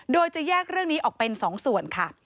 โดยจะแยกเรื่องนี้ออกเป็น๒ส่วนค่ะ